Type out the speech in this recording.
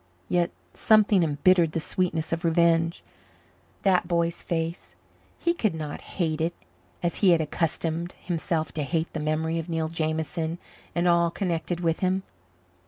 Yet something embittered the sweetness of revenge. That boy's face he could not hate it as he had accustomed himself to hate the memory of Neil Jameson and all connected with him.